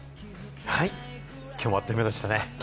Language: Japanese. きょうもあっという間でしたね。